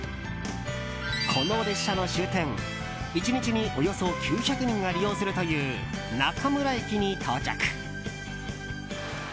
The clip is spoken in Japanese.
この列車の終点、１日におよそ９００人が利用するという中村駅に到着。